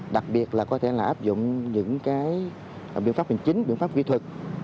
đặc biệt là có thể là áp dụng những cái biện pháp hành chính biện pháp kỹ thuật